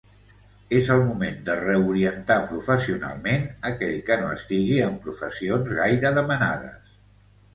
És el moment de reorientar professionalment aquell que no estigui en professions gaire demanades.